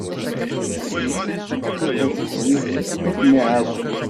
Ad t-teḥwijed ad kem-iɛawen.